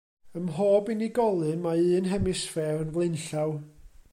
Ym mhob unigolyn, mae un hemisffer yn flaenllaw.